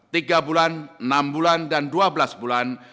tiga bulan enam bulan dan dua belas bulan